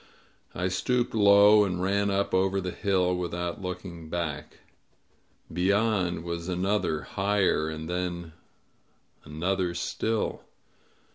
I stooped low and ran up over the hill, without looking back. Beyond was another, higher, and then another still.